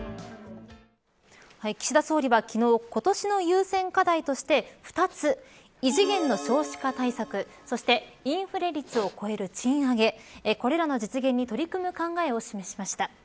岸田総理は昨日今年の優先課題として２つ、異次元の少子化対策そしてインフレ率を超える賃上げこれらの実現に取り組む考えを示しました。